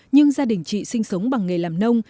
nhưng gia đình chị sinh sống bằng nghề làm nông